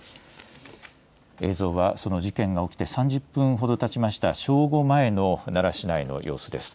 映像はその事件が起きて３０分ほどたちました正午前の奈良市内の様子です。